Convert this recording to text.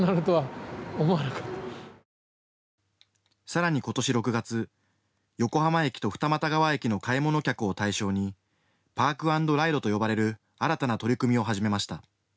さらに、今年６月横浜駅と二俣川駅の買い物客を対象にパークアンドライドと呼ばれる新たな取り組みを始めました。